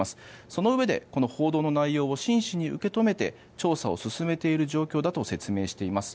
そのうえで、この報道の内容を真摯に受け止めて調査を進めている状況だと説明しています。